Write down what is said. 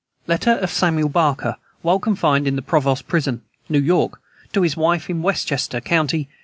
Letter of Samuel Barker, while confined in the Provost prison, New York, to his wife in Westchester county.